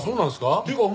っていうかお前